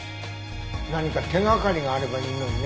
何か手掛かりがあればいいのにね。